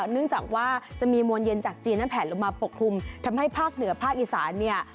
เนื่องจากว่าจะมีมวลเย็นจากจีนนั้นแผลลงมาปกคลุมทำให้ภาคเหนือภาคอีสานเนี่ย